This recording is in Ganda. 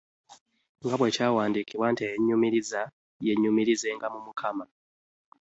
Nga bwe kyawandiikibwa nti Eyeenyumiriza, yeenyumiririzenga mu Mukama.